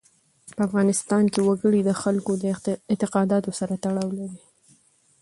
په افغانستان کې وګړي د خلکو د اعتقاداتو سره تړاو لري.